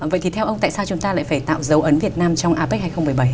vậy thì theo ông tại sao chúng ta lại phải tạo dấu ấn việt nam trong apec hai nghìn một mươi bảy